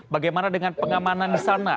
bagaimana dengan pengamanan di sana